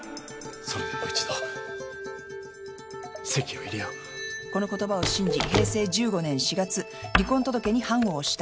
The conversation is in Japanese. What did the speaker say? それでもう一度籍を入れよう「この言葉を信じ平成１５年４月離婚届に判を押した。